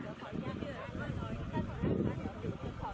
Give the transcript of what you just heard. สุดท้ายเมื่อเวลาสุดท้ายสุดท้ายเมื่อเวลาสุดท้าย